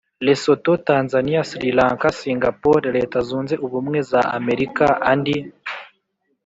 Lesotho Tanzania Sri Lanka Singapore Leta zunze Ubumwe za Amerika Andi